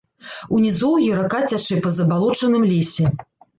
У нізоўі рака цячэ па забалочаным лесе.